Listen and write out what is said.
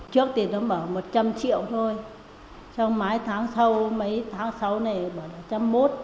trước thì nó bảo một trăm linh triệu thôi xong mài tháng sau mấy tháng sau này bảo là một trăm linh một